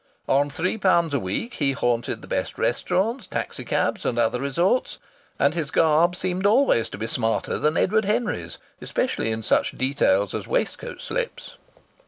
On three pounds a week he haunted the best restaurants, taxi cabs, and other resorts, and his garb seemed always to be smarter than Edward Henry's especially in such details as waistcoat slips.